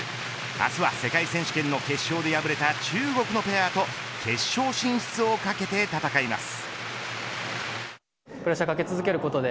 明日は世界選手権の決勝で敗れた中国のペアと決勝進出を懸けて戦います。